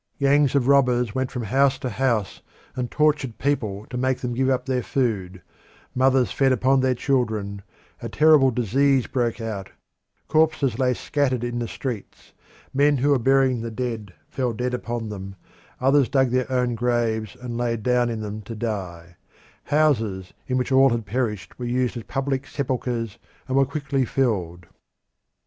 Gangs of robbers went from house to house and tortured people to make them give up their food; mothers fed upon their children; a terrible disease broke out; corpses lay scattered in the streets; men who were burying the dead fell dead upon them; others dug their own graves and lay down in them to die; houses in which all had perished were used as public sepulchres, and were quickly filled.